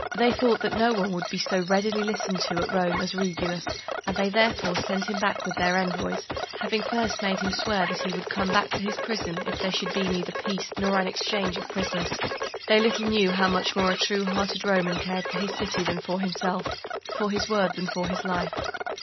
They thought that no one would be so readily listened to at Rome as Regulus, and they therefore sent him there with their envoys, having first made him swear that he would come back to his prison, if there should neither be peace nor an exchange of prisoners. They little knew how much more a true hearted Roman cared for his city than for himself for his word than for his life.